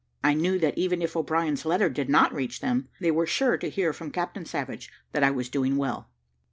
I knew that even if O'Brien's letter did not reach them, they were sure to hear from Captain Savage that I was doing well.